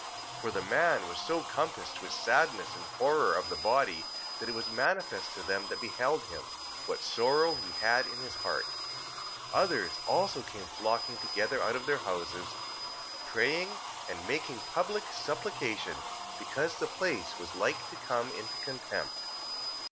3:17. For the man was so compassed with sadness and horror of the body, that it was manifest to them that beheld him, what sorrow he had in his heart. 3:18. Others also came flocking together out of their houses, praying and making public supplication, because the place was like to come into contempt.